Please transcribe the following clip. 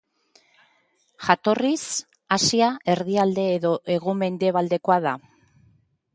Jatorriz Asia erdialde eta hego-mendebaldekoa da.